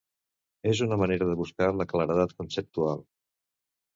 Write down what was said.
És una manera de buscar la claredat conceptual.